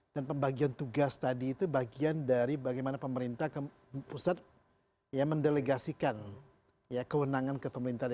dan bagian tugas tadi itu bagian dari bagaimana pemerintah pusat ya mendelegasikan ya kewenangan ke pemerintah dki